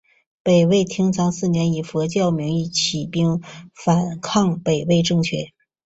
北魏延昌四年以佛教名义起兵反抗北魏统治。